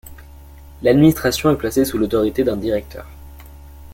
L'administration est placée sous l'autorité d'un directeur.